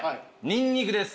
ニンニクです。